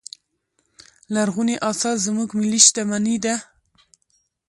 لرغوني اثار زموږ ملي شتمنې ده.